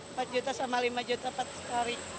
empat juta sama lima juta empat hari